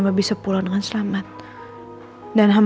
haritan punya grace pokoknya